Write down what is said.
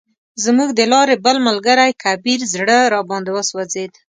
زموږ د لارې بل ملګری کبیر زړه راباندې وسوځید.